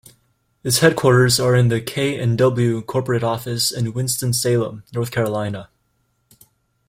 Its headquarters are in the K and W Corporate Office in Winston-Salem, North Carolina.